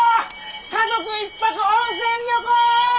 家族一泊温泉旅行！